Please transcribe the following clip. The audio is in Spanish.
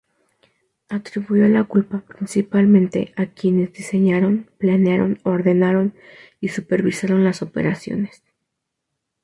Atribuyó la culpa principalmente a quienes diseñaron, planearon, ordenaron y supervisaron las operaciones.